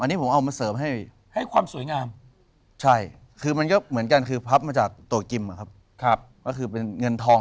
อันนี้เรียกว่าสิวกระบองทอง